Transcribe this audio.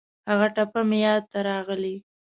هغه ټپه مې یاد ته راغلې.